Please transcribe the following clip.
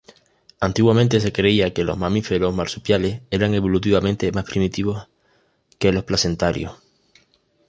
Antiguamente se creía que los mamíferos marsupiales eran evolutivamente más primitivos que los placentarios.